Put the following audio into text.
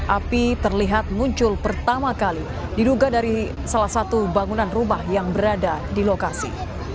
api terlihat muncul pertama kali diduga dari salah satu bangunan rumah yang berada di lokasi